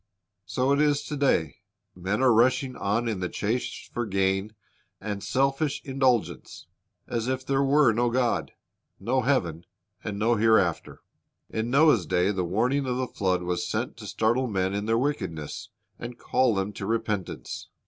"^ So it is to day. Men are rushing on in the chase for gain and selfish indulgence as if there were no God, no heaven, and no hereafter. In Noah's day the warning of the flood was sent to startle men in their wickedness and call them to repentance.